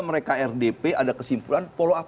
mereka rdp ada kesimpulan follow up